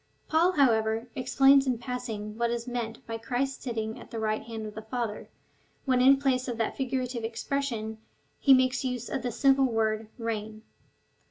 Paul, however, explains in passing what is meant by Christ's sitting at the right hand of the Father, when in place of that figurative expression he makes use of the simple word reign.